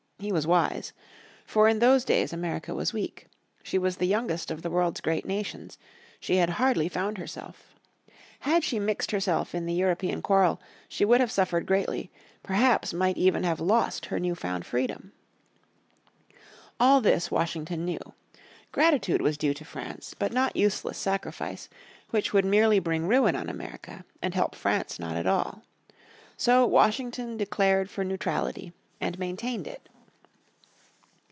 He was wise. For in those days America was weak. She was the youngest of the world's great nations, she had hardly "found herself." Had she mixed herself in the European quarrel she would have suffered greatly, perhaps might even have lost her new found freedom. All this Washington knew. Gratitude was due to France, but not useless sacrifice, which would merely bring ruin on America, and help France not at all. So Washington declared for neutrality, and maintained it.